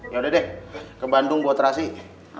yaudah deh ke bandung buat terasi